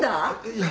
いや。